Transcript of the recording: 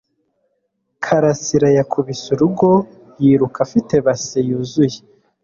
Karasira yakubise urugo yiruka afite base yuzuye.